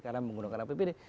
karena menggunakan apbd